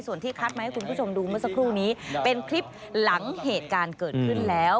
ส่วนที่คัดมาให้คุณผู้ชมดูเมื่อสักครู่นี้เป็นคลิปหลังเหตุการณ์เกิดขึ้นแล้ว